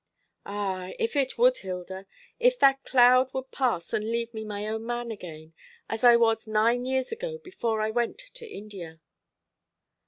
"Ah, if it would, Hilda if that cloud could pass and leave me my own man again, as I was nine years ago, before I went to India!"